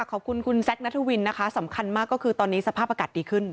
ขอบคุณคุณแซคนัทวินนะคะสำคัญมากก็คือตอนนี้สภาพอากาศดีขึ้น